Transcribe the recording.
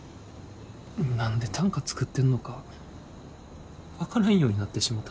何で短歌作ってんのか分からんようになってしもた。